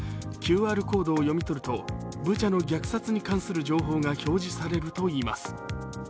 ＱＲコードを読み取るとブチャの虐殺に関する情報が表示されるといいます。